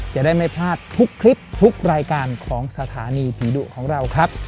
จะได้ไม่พลาดทุกคลิปทุกรายการของสถานีผีดุของเราครับ